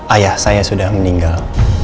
ayah saya sudah meninggal